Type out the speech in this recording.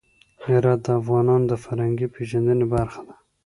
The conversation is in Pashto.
هرات د افغانانو د فرهنګي پیژندنې برخه ده.